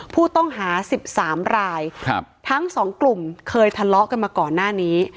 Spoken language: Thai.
ผู้ต้องหา๑๓รายทั้งสองกลุ่มเคยทะเลาะกันมาก่อนหน้านี้